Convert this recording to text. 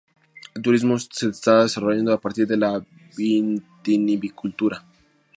El turismo se está desarrollando a partir de la vitivinicultura.